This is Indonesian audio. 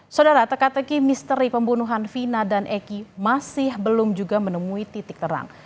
saudara teka teki misteri pembunuhan vina dan eki masih belum juga menemui titik terang